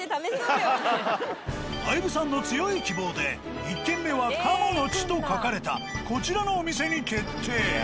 相武さんの強い希望で１軒目は「鴨の血」と書かれたこちらのお店に決定。